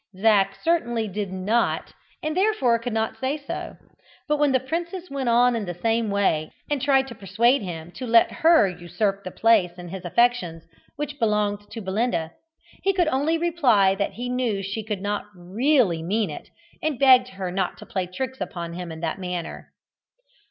Zac certainly did not, and therefore could not say so, but when the princess went on in the same way, and tried to persuade him to let her usurp the place in his affections which belonged to Belinda, he could only reply that he knew she could not really mean it, and begged her not to play tricks upon him in that manner.